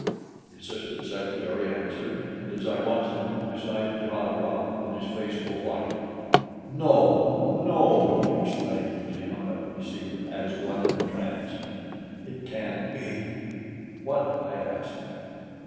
The assistant secretary answered, and as I watched him, I saw his jaw drop and his face go white. "My God!" he exclaimed as he hung up the receiver as one in a trance. "It can't be!" "What?" I asked. "Mr.